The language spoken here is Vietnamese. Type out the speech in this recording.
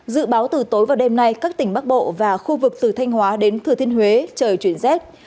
dự báo từ tối và đêm nay các tỉnh bắc bộ và khu vực từ thanh hóa đến thừa thiên huế trời chuyển rét